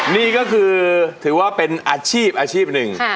นี่ก็คือถือว่าเป็นอาชีพอาชีพหนึ่ง